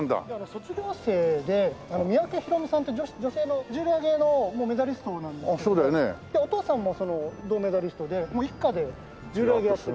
卒業生で三宅宏実さんって女性の重量挙げのメダリストなんですけどもお父さんも銅メダリストで一家で重量挙げやってる。